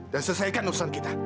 dan selesaikan usaha kita